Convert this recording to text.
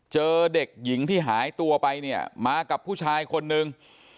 เจอเด็กหญิงที่หายตัวไปเนี่ยมากับผู้ชายคนนึง